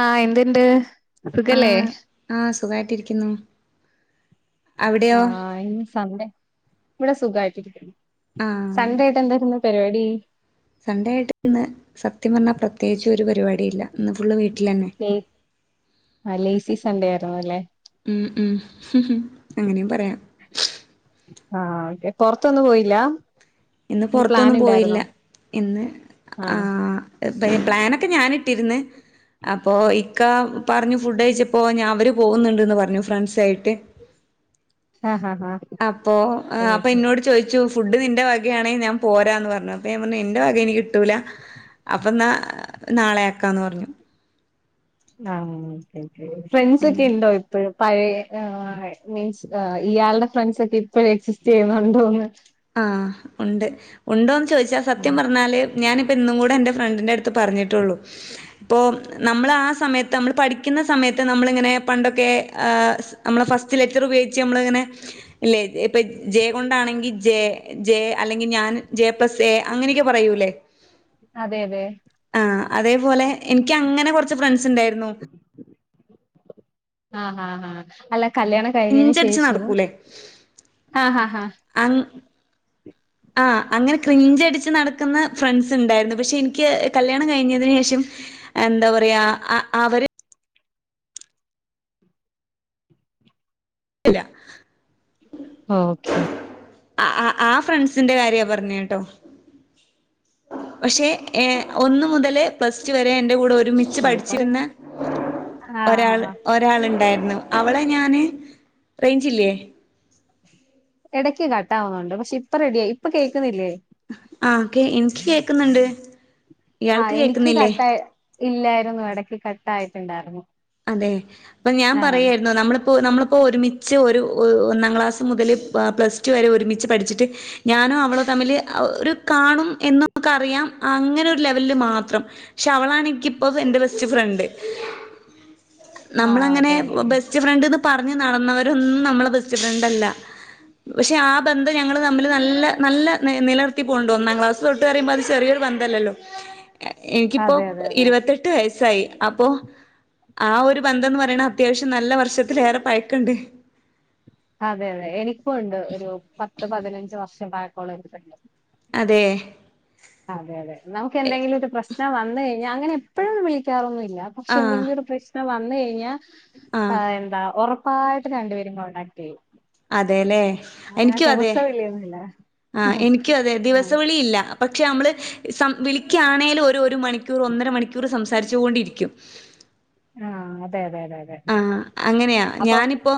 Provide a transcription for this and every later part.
ആഹ് എന്ത്ണ്ട്. ആ ആ് സുഖായിട്ടിരിക്കുന്നു. അവിടെയോ ആ ഇന്ന് സൺഡേ ഇവിടെ സുഖമായിട്ടിരിക്കുന്നു ആഹ് സൺഡേ ആയിട്ട് എന്തായിരുന്നു? പരിപാടി. സൺഡേ ആയിട്ട് ഇന്ന് സത്യംപറഞ്ഞ പ്രത്യേകിച്ച് ഒരു പരിപാടിയില്ല ഇന്ന് ഫുള്ള് വീട്ടിലന്നെ. മം മലേസിസ്. ഇല്ലേ. ഉം ഉം ഫ് ഫ് അങ്ങനെയും പറയാം. ആ ഓെ പുറത്തൊന്നും പോയില്ലാ. ഇന്ന് പുറത്തൊന്നും പോയില്ല ഇന്ന് ആ ആഹ് പ്പ് പ്ലാനൊക്കെ. ത് ഞാനിട്ടിരുന്ന്. അപ്പൊ ഇക്ക പറഞ്ഞു ഫുഡയ്ച്ചപ്പോ ഞാ അവര് പോകുന്നുണ്ട്ന്ന് പറഞ്ഞു ഫ്രണ്ട്സായിട്ട്. ആഹഹ. അപ്പൊ ആ അപ്പൊ ഇന്നോട് ചോയിച്ചു. ഫുഡ് നിന്റെ വകയാണ ഞാൻ പോരാന്ന് പറഞ്ഞു അപ്പോ ഞാൻ പറഞ്ഞു എന്റെ വക എനികി കിട്ടൂല അപ്പന്നാ നാളെ ആക്കാന്ന് പറഞ്ഞു. ആ ഒക്കെ ഒക്കെ ഫ്രണ്ട്സ് ഒക്കെ അങ്ങനെ ഇണ്ടോ ഇപ്പയും. പഴയ ആ ആ മീൻസ് ഇയാൾടെ ഫ്രണ്ട്സൊക്കെ ഇപ്പോയെ എക്സിസ്റ്റ് ചെയ്യുന്നുണ്ടോന്ന്. ആഹ് ഉണ്ട് ഉണ്ടോന്ന് ചോദിച്ചാ സത്യം പറഞ്ഞാല് ഞാനിപ്പ ഇന്നും കൂടെ എന്റെ ഫ്രണ്ടിന്റെ അടുത്ത് പറഞ്ഞ്. പറഞ്ഞിട്ടുള്ളൂ ഇപ്പോ നമ്മൾ ആ സമയത്ത്. നമ്മൾ പഠിക്കുന്ന സമയത്ത് നമ്മളിങ്ങനെ പണ്ടൊക്കെ ആ സ് നമ്മളെ ഫസ്റ്റ് ലെറ്റർ ഉപയോഗിച്ച് നമ്മളിങ്ങനെ. ഇല്ലേ ഇപ്പൊ ജെ കൊണ്ടാണെങ്കിൽ. ജെ ജെ അല്ലെങ്കിൽ ഞാൻ ജെ പ്ലസ് എ അങ്ങനെയൊക്കെ പറയൂല്ലേ. അതെ അതെ ആഹ് അതേപോലെ എനിക്ക് അങ്ങനെ കുറച്ച് ഫ്രണ്ട്സ് ഉണ്ടായിരുന്നു. ആ ആഹ് ആ അല്ല. കല്ല്യാണം കഴിഞ്ഞതിന് പിഞ്ചടിച്ച് ശേഷവും നടക്കൂലേ ആ ഹ ഹ. ആ അങ്ങനെ ക്രിഞ്ചടിച്ച് നടക്കുന്ന ഫ്രണ്ട്സ് ഉണ്ടായിരുന്നു പക്ഷെ എനിക്ക് കല്ല്യാണം കഴിഞ്ഞതിന് ശേഷം. എന്താ പറയാ ആ അവര്. ഇല്ല. ഓക്കെ ആ ആ ഫ്രണ്ട്സിന്റെ കാര്യ പറഞ്ഞ് കേട്ടോ. പക്ഷേ ഏ ഒന്ന് മുതലെ പ്ലസ്റ്റൂ വരെ എന്റെ കൂടെ ഓര് ഒരുമിച്ച് പഠിച്ചിരുന്ന ആഹ് ഒരാൾ ആഹ് ഒരാളുണ്ടായി രുന്നു. അവളെ ഞാന് റേഞ്ചില്ലേ? ഇടയ്ക്ക് കട്ടാവുന്നുണ്ട് പക്ഷെ ഇപ്പൊ റെഡിയ ആയി ഇപ്പൊ കേൾക്കുന്നില്ലേ? ഹ് ആഹ് കേ എന്ക്ക് കേക്കുന്നുണ്ട് ഇയാൾക്ക് ആഹ് എനിക്ക് കേക്കുന്നില്ലേ? കട്ടായി ഇല്ലായിരുന്നു ഇടക്ക് കട്ട ആയിട്ടുണ്ടായിരുന്നു. അതെ പ്പൊ ഞാൻ പറയായിരുന്നു നമ്മളിപ്പോ നമ്മളിപ്പോ ഒരുമിച്ച് ഒരു ഒന്നാം ക്ലാസ്. മ്മ് മുതൽ പ പ്ലസ്. വരെ ഒരുമിച്ച് പഠിച്ചിട്ട് ഞാനും അവ തമ്മിൽ കാണും എന്നൊക്ക അറിയാം അന ൽ ഒരുലെവൽ മാത്രം ശ് അവളാണെങ്കി ഇപ്പത് എന്റെ ബെസ്റ്റ് ഫ്രണ്ട്. ആഹ് നമ്മളങ്ങനെ അതെ അതെ ബെസ്റ്റ് ഫ്രണ്ട്ന്ന് പറഞ്ഞ് നടന്നവരൊന്നും നമ്മളെ ബെസ്റ്റ് ഫ്രണ്ട്ല്ല. പക്ഷെ ആ ബന്ധം ഞങ്ങൾ തമ്മില് നല്ല നല്ല നെ നിലനിർത്തി പോവ്ണ്ട് ഒന്നാം ക്ലാസ് തൊട്ട് പറയുമ്പോൾ അത് ചെറിയൊരു. ബന്ധ ഇല്ലല്ലോ എനിക്കിപ്പോ അതെ അതെ അതെ ഇരുപത്തെട്ട് വയസ്സായി അപ്പോ ആ ഒരു ബന്ധംന്ന് പറിണെ അത്യാവശ്യം നല്ല വർഷത്തിലെറെ പഴക്ക ഇണ്ട് അതെ അതെ എനിക്കുണ്ട് ഒരു പത്ത് പതിനഞ്ച് വർഷം പായക്കോള ഒരു ഫ്രണ്ട് അതെ അതെ അതെ നമുക്ക് എന്തെങ്കിലും ഒരു പ്രശ്നം വന്ന് കിഞ്ഞാ അങ്ങനെ എപ്പോഴും വിളികാറൊന്നുല്ല ഞൻ പക്ഷെ ആഹ് എന്തെങ്കിലും ഒരു പ്രശ്നം വന്ന് കഴിഞ്ഞാ ആഹ് എന്താ ഒറപ്പ് പ്പായിട്ടും രണ്ടുപേരും കോൺടാക്ട് ചെയ്യും അതെല്ലേ അങ്ങനെ എനിക്കും അതെ ദിവസം ഇല്ലേന്നില്ല ആ ആഹ് എനിക്കും അതെ ദിവസവിളി ഇല്ല പക്ഷെ നമ്മൾ സം വിളിക്കണെലും ഒരു ഒരു മണിക്കൂർ ഒന്നര മണിക്കൂർ സംസാരിച്ചുകൊണ്ടിരിക്കും ആ അതെ അതെ അതെ അതെ ആ അങ്ങനെയാ അപ്പൊ ഞാനിപ്പോ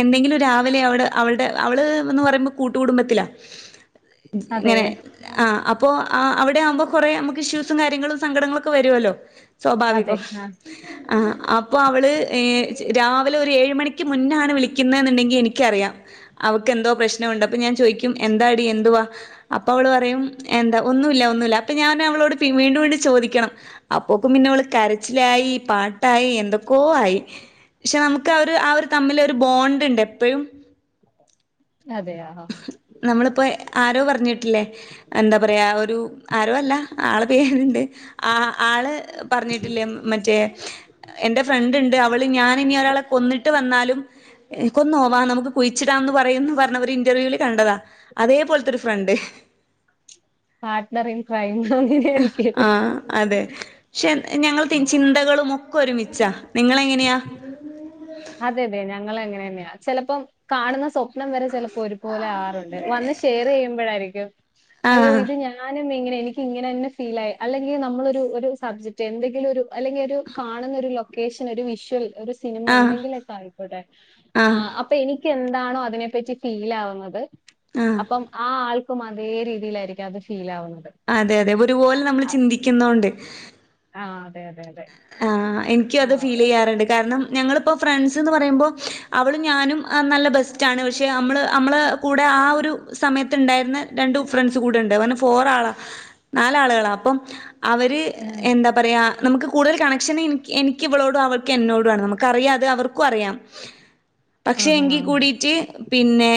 എന്തെങ്കിലും രാവിലെ അവടെ അവളടെ അവള് എന്ന് പറയുമ്പോൾ കൂട്ടുകുടുംബത്തിലാ അതെ ഇങ്ങനെ ആ അപ്പ് അപ്പൊ അവിടെ ആവുമ്പോ കൊറേ നമുക്ക് ഇഷ്യൂസും കാര്യങ്ങളും സങ്കടങ്ങളും ഒക്കെ വരോവല്ലോ സ്വാഭാവികം അതെ ആഹ് ആ അപ്പൊ അവള് ഏ‌ രാവിലെ ഒരു ഏഴ് മണിക്ക് മുന്നാണ് വിളിക്കുന്നെന്ന് ഉണ്ടെങ്കി എനിക്കറിയാം അവക്ക് എന്തോ പ്രശ്നം ഒണ്ട് അപ്പ ഞാൻ ചോയിക്കും എന്താടി എന്തുവാ അപ്പ അവൾ പറയും എന്താ ഒന്നു ഇല്ല ഒന്നു ഇല്ല അപ്പ ഞനവളോ ട്ട് പിൻ വീണ്ടും വീണ്ടും ചോദിക്കണം അപ്പോക്കും പിന്നെ അവൾ കരച്ചിലായി പാട്ടായി എന്തൊക്കോ ആയി പക്ഷെ നമുക്ക് ആവര് ആ ഒരു തമ്മിൽ ഒരു ബോണ്ട് ഉണ്ട് എപ്പഴും അതെയോ നമ്മളിപ്പ ആരോ പറഞ്ഞിട്ടില്ലേ എന്താ പറയാ ഒരു ആരോയല്ല ആള് പേര്ണ്ട് ആ ആള് പറഞ്ഞിട്ടില്ലേ മറ്റേ എന്റെ ഫ്രണ്ട് ഉണ്ട് അവള് ഞാനും ഇനി ഒരാളെ കൊന്നിട്ട് വന്നാലും കൊന്നോവാ നമുക്ക് കുഴിച്ചിടാന്ന് പറയന്ന് പറഞ്ഞവര് ഇന്റർവ്യൂവിൽ കണ്ടതാ അതേ പോലത്തെ ഒരു ഫ്രണ്ട് [inaudible] പാർട്ട്ണർ ഇൻ ക്രൈം അ അങ്ങനെയായിരിക്കല്ലേ ആ അതെ പക്ഷെ ഞങ്ങൾ ചിന്തകൾ മോ ഒരുമിച്ചാ നിങ്ങള് എങ്ങനെയാ അതെ അതെ ഞങ്ങൾ അങ്ങനെന്നായാ ചെലപ്പം കാണുന്ന സ്വപ്നം വരെ ചെല ഒരുപലെ ആറുണ്ട് വന്ന് ഷെയർ ചെയുമ്പോഴായിരിക്കും അയ്യോ ആഹ് ഇത് ഞാനും ന്ന് ഇങ്ങനെ എനിക്ക് ഇങ്ങനെയെന്നെ ഫിലായി അല്ലെങ്കിൽ നമ്മള് ഒരു ഒര് സബ്ജക്ട് എന്തെങ്കിലും ഒരു അല്ലെങ്കിൽ ഒരു കാണുന്ന ഒരു ലൊക്കേഷൻ ഒരു വിഷ്വൽ ഒരു സിനിമ ആഹ് എന്തെങ്കിലുമൊക്കെ ആയിക്കോട്ടെ ആഹ് അപ്പൊ എനിക്ക് എനിക്കി എന്താണോ അതിനെ പറ്റി ഫീലവുന്നത് ആഹ് അപ്പം ആ ആൾ അതേ രീതിയിലായിരിക അത് ഫീൽ ആവുന്നത് അതെ അതെ ഒരുപോലെ നമ്മൾ ആ ചിന്തിക്കുന്നോണ്ട് ആ അതെ അതെ അതെ ആ എനിക്കും ആ അത് ആ ഫീൽ ചെയ്യാറുണ്ട് കാരണം ഞങ്ങളിപ്പോ ഫ്രണ്ട്സ്ന്ന് പറയുമ്പോ അവളും ഞാനും നല്ല ബെസ്റ്റാണ് പക്ഷേ അമ്മൾ അമ്മളെ കൂടെ ആ ഒരു സമയത്ത് ഇണ്ടായിര്ന്ന രണ്ടു ഫ്രണ്ട്സ് കൂടെ ഇണ്ട് അങ്ങനെ ഫോർ ആളാ നാല് ആൾകളാ അപ്പം അവര് എന്താ പറയാ നമുക്ക് കൂട്തൽ കണക്ഷൻ ഇൻക്ക് എനിക്ക് ഇവളോടും ഇവൾക് എന്നോടും ആണ് നമുക്ക് അറിയാം അത് അവർക്കും അറിയാം ആ ആ പക്ഷെ എങ്കിൽ കൂടിട്ട് പിന്നെ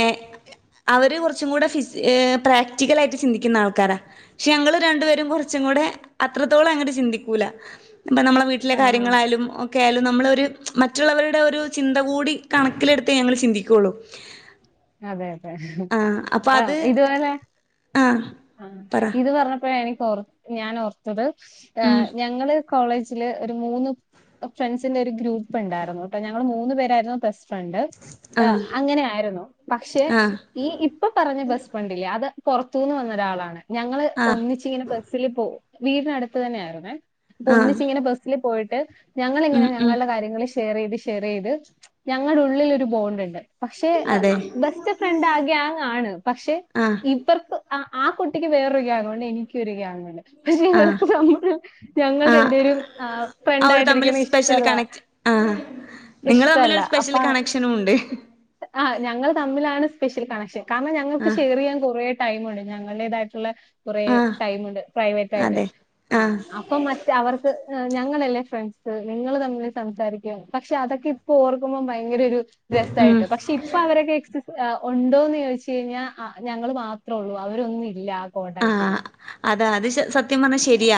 അവര് കൊറച്ചും കൂടെ ഫിസ് ഏ പ്രാക്ടിക്കലായിട്ട് ചിന്തിക്ക്ന്ന ആൾക്കാരാ പക്ഷെ ഞങ്ങൾ രണ്ടുപേരും കൊർ കൊച്ച കൂടെ അത്രത്തോളം അങ്ങനെ ചിന്തിക്കൂല ഇപ്പം നമ്മളെ വീട്ടിലെ ആ, കാര്യങ്ങളായാലും ഒക്കെ ആയാലും നമ്മളൊരു മറ്റുള്ളവരുടെ ഒരു ചിന്ത കൂടി കണക്കിലെടുത്ത് ഞങ്ങള് ചിന്തിക്കുള്ളു അതെ അതെ ആ ഇതുപോലെ ആഹ് ആ പറ ഇത് പറഞ്ഞപ്പോഴ എനിക്ക് ഓർ ഞാൻ ഓർത്തത് ഉം ഞങ്ങള് കോളേജില് ഒരു മൂന്ന് ഫ്രണ്ട്സിന്റെ ഒരു ഗ്രൂപ്പ് ഉണ്ട പണ്ട് ആഹ് അങ്ങനെ ആയിരുന്നു പക്ഷെ ആഹ് ഈ ഇപ്പൊ പറഞ്ഞ ബസ് ഫ്രണ്ടില്ലേ അത് പുറത്തന്ന് വന്നൊരാളാണ് ഞങ്ങള് ആഹ് ഒന്നിച്ചിങ്ങനെ ബസ്സിില് പോ വീടിനടുത്ത് തന്നെ ആായിുന്നേ അപ്പൊ വീടിനടുത്ത് തന്നെ ആയിരിന്നെ അപ്പോ ആഹ് ഒന്നിച്ച് ഇങ്ങനെ ബസ്സില് പോയിട്ട് ഉം ഞങ്ങളെങ്ങനെ ഉം ഞങ്ങളുടെ കാര്യങ്ങളിൽ ഷെയർ ചെയ്ത് ഷെയർ ചെയ്ത് ഞങ്ങളുടെ ഉള്ളിലൊരു ബോണ്ട് ഉണ്ട് പക്ഷെ അതെ ആ ബെസ്റ്റ് ഫ്രണ്ട് ആകെ ഗ്യാങ്ങ് പക്ഷെ ആഹ് ഇപ്പർത്ത് ആ കുട്ടിക്ക് വേറൊരു ഗ്യയങ്ങ് ഉണ്ട് എനിക്ക് ഒരു ഗ്യയങ്ങ് ഉണ്ട്. പക്ഷെ ആഹ് ഇവർക്ക് നമ്മൾ ഞങ്ങൾ ആഹ് രണ്ടേരും ഫ്രണ്ടായിട്ടിരിക്കുന്ന ഇഷ്ടല്ല. ആഹ ഇഷ്ടല്ല. നിങ്ങൾതമ്മിലൊരു സ്പെഷ്യൽ അപ്പൊ കണക്ഷനും ഉണ്ട്. ആ ഞങ്ങൾ തമ്മിലാണ് സ്പെഷ്യൽ കണക്ഷൻ കാരണം ഞങ്ങൾക്ക് ആഹ് ഷെയർ ചെയ്യാൻ കുറേ ടൈമുണ്ട് ഞങ്ങളടേതായിട്ടുള്ള കുറ ആഹ് ടൈമുണ്ട് പ്രൈവറ്റ് ആയിട്ട് അതെ ആ ആഹ് അപ്പൊ മറ്റ അവർക്ക് ഞങ്ങളല്ലേ ഫ്രണ്ട്സ് നിങ്ങൾ തമ്മിൽ സംസാരിക്കും പക്ഷെ അതൊക്കെ ഇപ്പ ഓർക്കുമ്പോ ഭയങ്കര ഒരു ഉം രസായിട്ട് പക്ഷെ ഇപ്പൊ അവരൊക്കെ ആ ഉണ്ടോന്ന് ചോദിച് കഴിഞ്ഞാൽ ഞങ്ങൾ മാത്രമേ ഉള്ളൂ അവരൊന്നും ഇല്ല ആഹ കോൺടാക്റ്റില്. അതാ അത് സത്യം പറഞ്ഞാൽ ശരിയാ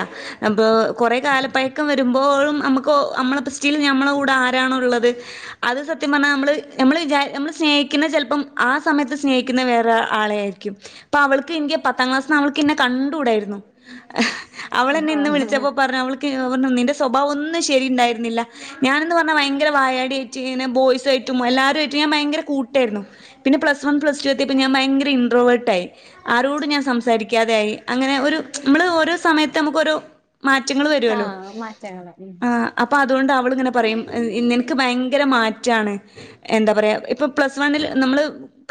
പ്പൊ കൊറെ കാലപ്പഴക്കം വരുമ്പോഴും നമുക്ക് നമ്മളെ പസ്റ്റീൽ നമ്മളെ കൂടെ ആരാണുള്ളത് അത് സത്യം പറഞ്ഞാൽ നമ്മള് നമ്മൾ വിചാ നമ്മൾ സ്നേഹിക്കുന്ന ചം ആ സമയത്ത് സ്നേഹിക്കുന്ന വേറെ ആളെ ആായിരിക്കും അപ്പൊ അവൾക്ക് എനിക്ക് പ പത്താംക്ലാസ്റ്റ് അവൾക്ക്ന്നെ കണ്ടു ടായിരുന്നു അവൾ എന്നെ ഇന്ന് ആഹ് വിളിച്ചപ്പോ പറഞ്ഞു അവൾ പറഞ്ഞു നിന്റെ സ്വഭാവം ഒന്നും ശരി ഉണ്ടായിരുന്നില്ല ഞാനന്ന് പറഞ്ഞാൽ ഭയങ്കര വായാടി ഇങ്ങെ ബോയ്സ്യട്ട് പറ്റുമോ എല്ലാരും ആറ്റും ഞാൻ റ്റും ഉം ഉം ഭയങ്കരകൂട്ടായിരുന്നു പിന്നെ പ്ലസ് വൺ പ്ലസ് ടു എത്തിയപ്പ ഞാൻ ഭയര ഇട്രോവേർട്ട ആയി. ആരോട് ഞാൻ സംസാരിക്കാതെ ആയി അങ്ങനെ ഒരു നമ്മള് ഓരോ സമയത്ത് നമുക്കരു മാറ്റങ്ങൾ ആ വരുവല്ലോ മാറ്റങ്ങള് ഉം. ആ അപ്പൊ അതൊണ്ട്ങ്ങനെ അവളിങ്ങനെ പറയും നിനക്ക് ഭയങ്കര മാറ്റാണ് എന്താ പറയാ നമ്മള്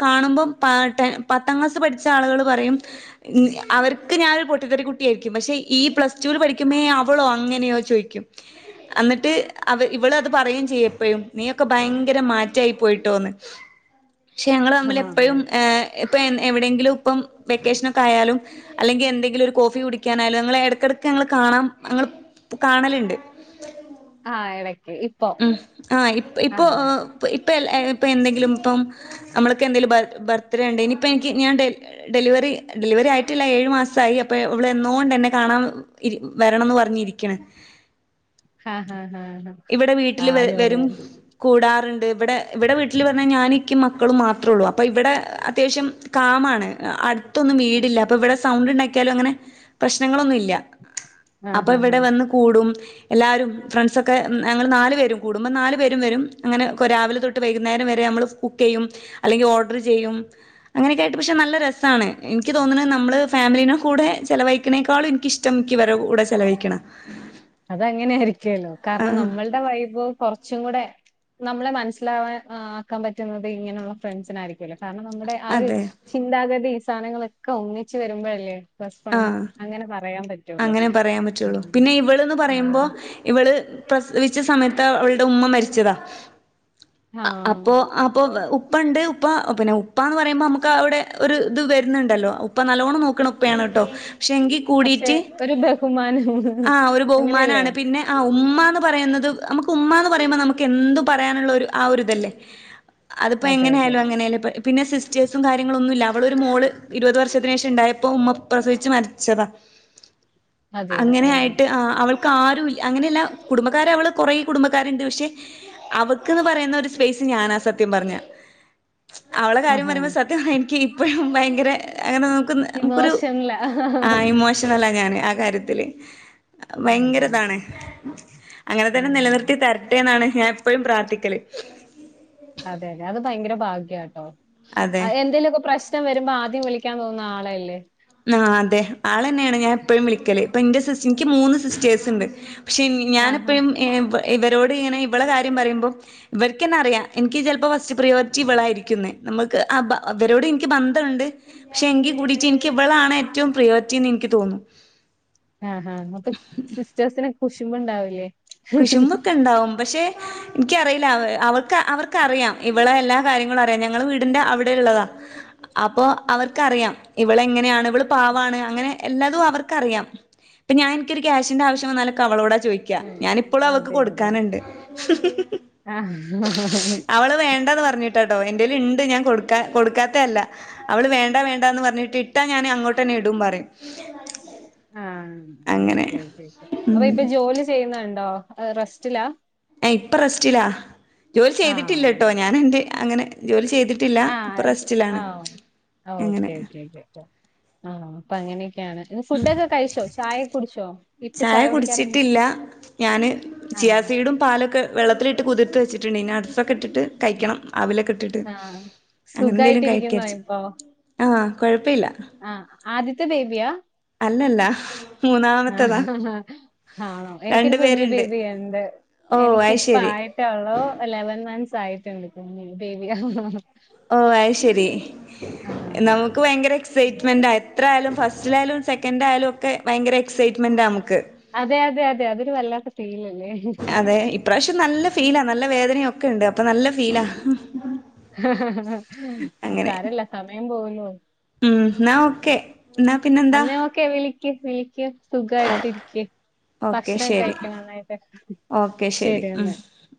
കാണുമ്പം പാട്ടെ പത്താം ക്ലാസ് പഠിച്ച ആളുകൾ പറയും അവർക്ക് ഞാനൊരു പൊട്ടിത്തെററി അവർക്ക് ഞാൻ ഒരു പൊട്ടിത്തെറി കുട്ടിയായിരിക്കും പക്ഷെ ഈ പ്ലസ് ടുവിൽ പഠിക്കുമ്പോേ ങേ അവളോ അങ്ങനെയോ ചോദിക്കും. ഉം അന്നിട്ട് അവ ഇവളത് പറയും ചെയ്യപ്പോഴും നീയൊക്കെ ഭയങ്കര മാറ്റായി പോയിട്ടോന്ന് ക്ഷെ ഞങ്ങൾ തമ്മിൽ എപ്പഴും ആഹ് എ ഇപ്പൊ എ എവിടെെങ്കിലും ഇപ്പം വെക്കേഷനെക്കെ ആയാലും അല്ലെങ്കിൽ എന്തെങ്കിലും ഒരു കോഫി കുടിക്കാനായാലും ഞങ്ങൾ എടക്കടക്ക് ഞങ്ങൾ കാണാം ഞങ്ങ പ്പൊ കാണലുണ്ട്. ആ എട ഉം ആ് ഇ ഇപ്പൊ ഇപ്പ എ എന്തെങ്കിലും ഇപ്പ നമ്മക്കെന്തെങ്കിലും ബർ ബർത്തിഡേ ഉണ്ടേങ്കി ഇനിയിപ്പ എനിക്ക് ഞാൻ ഡെലിവറി ഡെലിവറി ആയിട്ടില്ല ഏഴു മാസയി അപ്പൊ ഇവളന്നൊ എന്നെ കാണാൻ വരണംന്ന് പറഞ്ഞിരിക്കാണ്. ഹ ഹ ഇവിടെ വീട്ടിൽ വ വരും കൂടാറ് ട് വെടെ ഇവിടെ വീട്ടിൽ വർഞ്ഞകഴിഞ്ഞ ഞാനിക്കിം മക്കളും മാത്ര ഉള്ളൂ അപ്പ ഇവിടെ അത്യാവശ്യം കാമാണ്. ത്തൊന്നും വീടില്ല അപ്പൊ ഇവിടെ സൗണ്ട് ണ്ടാക്കിയാലും അങ്ങനെ പ്രശ്നങ്ങളൊന്നുംല് ല്ല ആ അപ്പോ ഹാ ഹാ ഇവിടെ വന്ന് കൂടും എല്ലാരും ഫ്രൻസ് ഒ ഒക്കെ ഞങ്ങൾ നാല് പേരും കൂടുമ്പോം നാല് പേരും കൂടുമ്പോ നാല് പേരും വരുംങ്ങനെ കൊ രാവിലെ തൊട്ട് വൈകുന്നേരം വരെ നമ്മൾ കുക്ക് ചെയ്യും. അല്ലെങ്കിൽ ഓർഡർ ചെയ്യും. അങ്ങനെയൊക്കെ ആയിട്ട് പക്ഷെ നല്ല രസാണ്. എനിക്ക് തോന്നുന്നത് നമ്മള് ഫാമിലിടെ കൂടെ എ ചെലവഴിക്കനേക്കാളും എനിക്കിഷ്ട്ടം എനിക്ക് വരെ കൂടെ ചെലവഴിക്കണ. അത അങ്ങനൊയിരിക്കല്ലോ കാരണം ആഹ് നമ്മളുടെ വൈഭ് കുറച്ചും കൂടെ നമ്മളെ മനസ്സിലാവാൻ ആക്കാൻ പറ്റുന്നത് ഇങ്ങനെയുള്ള ഫ്രണ്ട്സിനായിരിക്കും. ലർ കാരണം നമ്മുടെ ആ ഒരു അതെ ചിന്താഗതി ഈസാനങ്ങളൊക്കെ ഒന്നിച്ച് വരുമ്പോഴല്ലേ ആഹ് ബെസ്ഫ്രണ്ട്സ് അങ്ങനെ പറയാൻ പറ്റുള്ളൂ. അങ്ങനെ പറയാൻ പറ്റുള്ളൂ. പിന്നെ ഇവള്ന്ന് പറയുമ്പോ അതെ ഇവള് പ്രസവിച്ച സമയത്ത് അവളുടെ ഉമ്മ മരിച്ചതാ ആഹ് അപ്പൊ അപ്പൊ ഉ പ്പ ണ്ട് ഉപ്പ പിന്നെ ഉപ്പ ന്ന് പറയുമ്പോ നമുക്ക് അവിടെ ഒരു ഇത് വരുന്നുണ്ടല്ലോ ഉപ്പ നല്ലോണം നോക്ണ ഉ ണ് ട്ടോ പക്ഷെങ്കി പക്ഷെ കൂടിട്ട് ഒരു ബഹുമാനം ആഹ് ഒരു അങ്ങനെയല്ലേ? ബഹുമാനാണ് പിന്നെ ആഹ് ഉമ്മാന്ന് പറയുന്നത് നമുക്ക് ഉമ്മ ന്ന് പറയുമ്പോ നമുക്ക് എന്ത് പറയാനുള്ളരു ആ ഒരിതല്ലേ അതിപ്പോ അതെ അതെ എങ്ങനെയായാലും അങ്ങനെയല്ലേപ പിന്നെ സിസ്റ്റേഴസും കാര്യങ്ങളൊന്നുമില്ല അവളോരുമോള് ഇരുപത് വർഷത്തിന് ശേഷ ണ്ടായ- പൊ ഉമ്മ പ്രസിച്ചു മരിച്ചത അതെയോ ഓഹ് അങ്ങനെയായിട്ടു ആഹ് അവൾ ക്കാരുല്ല അങ്ങനെയല്ല കുടുംബകാര് അവള് കുറേ കുടുംബക്കാരുണ്ട് പക്ഷെ അവക്ക്ന്ന് പറയുന്ന ഒരു സ്പേസ് ഞാനാ സത്യം പറഞ്ഞ അവളെ കാര്യം ആഹാ പറയുമ്പോ സത്യമാ എനിക്ക് ഇപ്പഴും ഭയങ്കര അങ്ങനെ നോക് നമുക്കൊരു ഇമോഷൻലാ ആഹ് ഇമോഷണലാ ഞാന് ആ കാര്യത്തില് അതെ ഭയങ്കരിതാണ് അങ്ങനെ തന്നെ ആഹ് നിലനിർത്തി തരട്ടേ ന്നാണ് ഞാൻ എപ്പോഴും പ്രാർത്ഥിക്കല് അതെ അതെ അത് ഭയങ്കര ഭാഗ്യ ട്ടോ അതെ എന്തേലുക്കെ പ്രശ്നം വരുമ്പോ ആദ് ആദ്യം വിളിക്കാൻ തോന്നുന്ന ആളെയല്ലേ ആ അതെ ആളന്നെയാണ് ഞാൻ എപ്പോഴും വിളിക്കല് ഇപ്പൊ ന്റെ സിസ് എനിക്ക് മൂന്ന് സിസ്റ്റേഴ്സ് ണ്ട് പക്ഷേ ആഹ് ഞാനെപ്പോഴും എ വ് ഇവരോട് ഇങ്ങനെ ഇവളെ കാര്യം പറയുമ്പോൾ ഇവർക്ക് എന്നാ അറിയാം എനിക്ക് ചിലപ്പോൾ ഫസ്റ്റ് പ്രിയോറിറ്റി ഇവളായിരിക്കുമെന്ന് നമുക്ക് അ ബ അവരോട് ൻക്ക് ബന്ധണ്ട് പക്ഷെ എങ്കി കൂടിട്ട് നി ക്ക്‌ ഇവളാണ് ഏറ്റവും പ്രേയോരിറ്റി നിക്ക് തോന്നും ആഹ് ഹാ അപ്പൊ സിസ്റ്റേഴ്സിന് കുശിമ്പ് ണ്ടാവില്ലേ കുശുമ്പൊക്കെ ണ്ടാവും പക്ഷെ ൻക്കറിയില്ല അവ് അവക്ക് അവർക്ക്റിയാം ഇവളെ എല്ലാ കാര്യങ്ങളും അറിയാം ഞങ്ങളെ വീടിന്റെ അവിടെ ള്ളതാ അപ്പൊ അവർക്കറിയാം ഇവളെ എങ്ങനെയാണ് ഇവള് പാവാണ് അങ്ങനെ എല്ലാതും അവർക്കറിയാം പ്പ ഞാൻനികൊരു ക്യാഷിന്റെ ആവശ്യവന്നോലൊക്കെ അവളോട ചോയിക്കാ ഉം ഞാനിപ്പളും അവക്ക് അതെ അതെ കൊടുക്കാനുണ്ട് ആഹ് അവള് വേണ്ടന്ന് പറഞ്ഞിട്ടട്ടോ എ ന്റെലുണ്ട് ഞാൻ കൊടുക്ക കൊടുക്കാത്തല്ല അവള് വേണ്ട വേണ്ട ണ്ട ന്ന് പറഞ്ഞിട്ട് ഇട്ടാ ഞാൻ അങ്ങോട്ടന്നെ ഇടും പറയും ആഹ് അങ്ങനെ ഒക്കെ കെ അപ്പൊ ഇപ്പൊ ജോലി ചെയ്യുന്നണ്ട് ണ്ടോ റെസ്റ്റില എ ഇപ്പ റസ്റ്റില്ലാ ജോലി ചെയ്തിട്ടില്ല ആഹ് ട്ടോ ഞാനേന്റെ അങ്ങനെ ജോലി ചെയ്തിട്ടില്ല ഇപ്പൊ ആഹ് സെ റെസ്റ്റിലാണ് ആഹ് അങ്ങനെ ഒക്കെ ആഹ് കെയാണ് ഫുഡൊക്കെ കഴിച്ചോ ചായൊക്കെ കുടിച്ചോ ഇപ്പൊ ചായ കുടിക്കാറുണ്ടോ ഞാന് ആഹ് ചിയാസീടും പാലൊക്കെ വെള്ളത്തിലിട്ട് കുതിർത്ത് വെച്ചിട്ടുണ്ട് ഇനി അത്ഫെ ക്കെട്ടിട്ട് കഴിക്കണം അവിലൊക്കെ ഇട്ടിട്ട് ആഹ് അങ്ങനെ എന്തേലും കഴിക്ക സുഖായിട്ടിരിക്കുന്നോ ച് ഇപ്പൊ ആഹ് കൊഴപ്പില്ല ആഹ് ആദ്യത്തെ ബേബിയാ? അല്ലല്ല മൂന്നാമത്തതാ ആഹ് ആണോ രണ്ടു എനിക്കൊരു കുഞ്ഞു പേരുണ്ട് ബേബിയൊണ്ട് ഓഹ് എനിക്കിപ്പ അയ്ശരി ആയിട്ട ഉള്ളോ. ലെവൻ മന്ത്സ് ആയിട്ടുണ്ട് കുഞ്ഞു ബേബിയ ഓഹ് അയ് ശരി ആഹ്. നമുക്ക് ഭയങ്കര എക്സൈറ്റ്മെന്റ എത്രയാലും ഫസ്റ്റിലായാലും സെക്കൻ് ആയാലും ഒക്കെ ഭയങ്കര എക്സൈറ്റ്മെന്റാ നമക്ക്. അതെ അതെ അതെ അതൊരു വല്ലാത്തെ ഫീലാ അതെ ഇപ്രാവശ്യം നല്ല ഫീലാ നല്ല വേദനൊക്കെ ഉണ്ട് അപ്പൊ നല്ല ഫീലാ അഹ് അങ്ങനെ സാരല്ല സമയം പോകുന്നു. ഉം ന്ന ഓക്കെ ന്ന അന്നേ ഓക്കെ വിളിക് വിളിക് സുഖായിട്ടിരിക് ഓക്കെ ഭക്ഷണം ശരി കഴിക്കണം നന്നായിട്ട് ഓക്കെ ശരി ഉം എന്നാ ഉം